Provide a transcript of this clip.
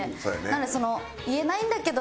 なので言えないんだけど